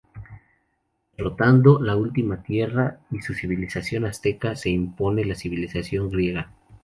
Derrotando la última tierra y a su civilización azteca, se impone la civilización griega.